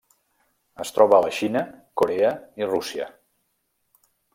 Es troba a la Xina, Corea i Rússia.